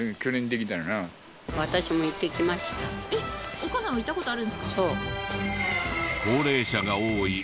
お母さんも行った事あるんですか？